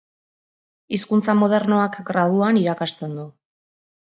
Hizkuntza Modernoak graduan irakasten du.